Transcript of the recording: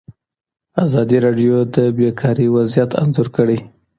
ازادي راډیو د بیکاري وضعیت انځور کړی.